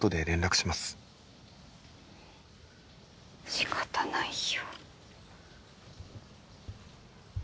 しかたないよ。